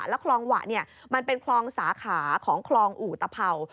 แล้วคลองหวะมันเป็นคลองสาขาของคลองอุตเผ่า